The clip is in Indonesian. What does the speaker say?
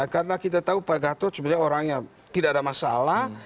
karena kita tahu pak gatot sebenarnya orang yang tidak ada masalah